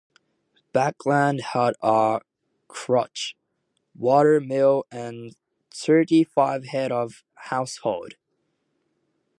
Buckland had a church, watermill and thirty-five heads of household.